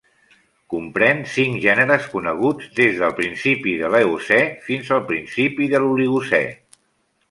Comprèn cinc gèneres coneguts des del principi de l'Eocè fins al principi de l'Oligocè.